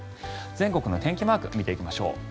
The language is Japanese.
全国の天気マーク見ていきましょう。